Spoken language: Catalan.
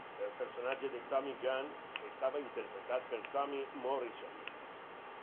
El personatge de Tommy Gunn estava interpretat per Tommy Morrison.